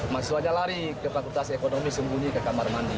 mahasiswanya lari ke fakultas ekonomi sembunyi ke kamar mandi